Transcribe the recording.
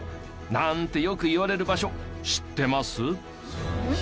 なんてよく言われる場所知ってます？